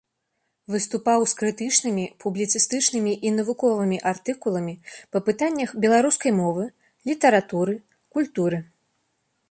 Выступаў з крытычнымі, публіцыстычнымі і навуковымі артыкуламі па пытаннях беларускай мовы, літаратуры, культуры.